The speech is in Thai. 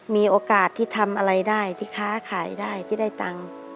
มีโอกาสที่ทำอะไรได้ที่ค้าขายได้ที่ได้ตังค์